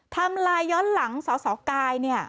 ทำลายย้อนหลังสาวกายเนี่ย